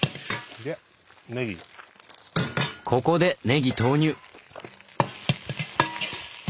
ここでねぎ投入！